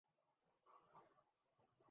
بیشتر دنیائے اسلام میں نہیں ملتی۔